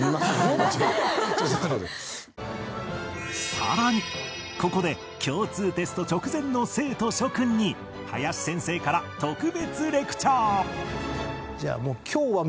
さらにここで共通テスト直前の生徒諸クンに林先生から特別レクチャー！